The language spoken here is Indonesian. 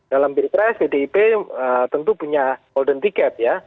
dalam pilpres bdip tentu punya hold and ticket ya